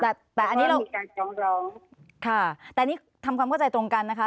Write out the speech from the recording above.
ค่ะแต่อันนี้เราค่ะแต่อันนี้ทำความเข้าใจตรงกันนะคะ